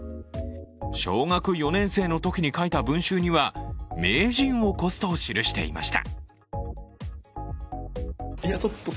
小学４年生のときに書いた文集には「名人をこす」と記していました。